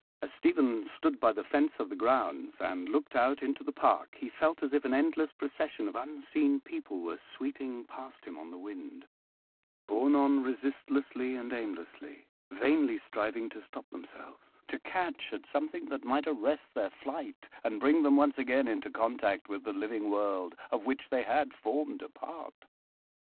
As Stephen stood by the fence of the grounds, and looked out into the park, he felt as if an endless procession of unseen people were sweeping past him on the wind, borne on resistlessly and aimlessly, vainly striving to stop themselves, to catch at something that might arrest their flight and bring them once again into contact with the living world of which they had formed a part.